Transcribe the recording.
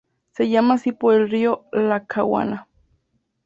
Se llama así por el río Lackawanna.